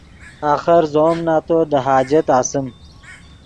آخر زو نتو دے حاجت آسیم